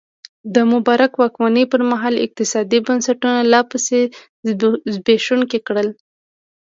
د مبارک واکمنۍ پرمهال اقتصادي بنسټونه لا پسې زبېښونکي کړل.